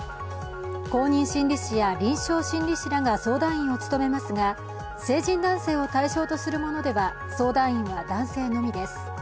公認心理師や臨床心理士らが相談員を務めますが、成人男性を対象とするものでは相談員は男性のみです。